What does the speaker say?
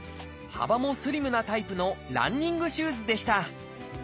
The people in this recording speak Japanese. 幅もスリムなタイプのランニングシューズでした。